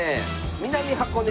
南箱根。